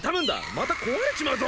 また壊れちまうぞ！